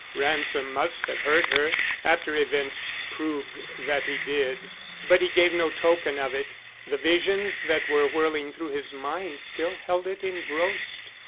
Ransom must have heard her, after events proved that he did, but he gave no token of it. The visions that were whirling through his mind still held it engrossed.